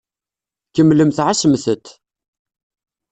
Kemmlemt ɛassemt-t.